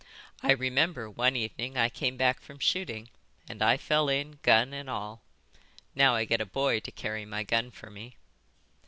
I remember, one evening I came back from shooting, and I fell in, gun and all. Now I get a boy to carry my gun for me."